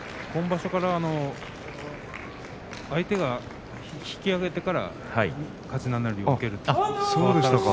今場所から相手が引き揚げてから勝ち名乗りを受けると。